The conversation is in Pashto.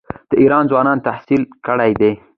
د ایران ځوانان تحصیل کړي دي.